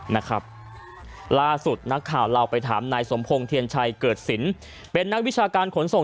นะครับล่าสุดนักข่าวเราไปถามนายสมพงศ์เทียนชัยเกิดสินเป็นนักวิชาการขนส่ง